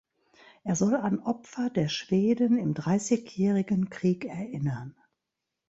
Er soll an Opfer der Schweden im Dreißigjährigen Krieg erinnern.